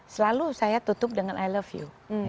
selalu saya tutup dengan i love you